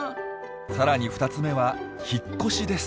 さらに２つ目は「引っ越し」です。